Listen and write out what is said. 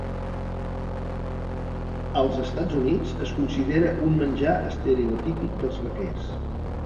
Als Estats Units es considera un menjar estereotípic dels vaquers.